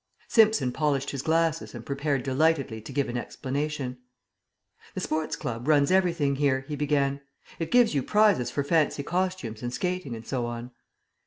Simpson polished his glasses and prepared delightedly to give an explanation. "The Sports Club runs everything here," he began. "It gives you prizes for fancy costumes and skating and so on."